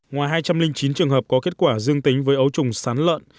ngoài hai trăm linh chín trường hợp có kết quả dương tính với ấu trùng sán lợn